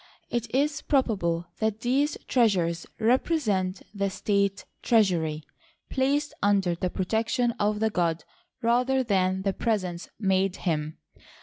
It is probable that these treasures represent the state treasury, placed under the protection of the god rather than the presents made him.